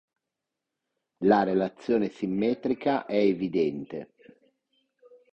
La relazione simmetrica è evidente.